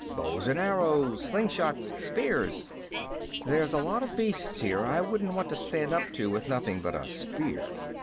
"Bows and arrows. Slingshots. Spears." "There's a lot of beasts here I wouldn't want to stand up to with nothing but a spear."